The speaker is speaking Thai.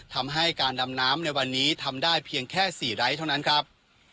ทำให้การดำน้ำในวันนี้ทำได้เพียงแค่๔ไร้เท่านั้นครับ